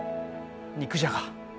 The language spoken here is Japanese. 肉じゃが。